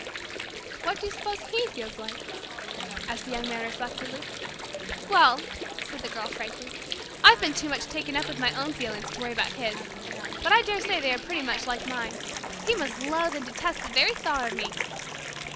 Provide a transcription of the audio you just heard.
"What do you suppose he feels like?" asked the Young Man reflectively. "Well," said the Girl frankly, "I've been too much taken up with my own feelings to worry about his. But I daresay they are pretty much like mine. He must loathe and detest the very thought of me."